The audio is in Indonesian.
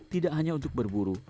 tidak hanya untuk berbunyi